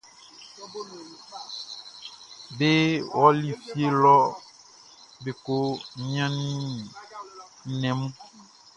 Be ɔli fie lɔ be ko niannin nnɛn mun.